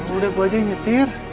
udah gue aja nyetir